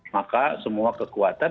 maka semua kekuatan